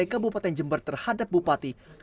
ke bupati jember terhadap bupati